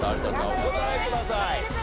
お答えください。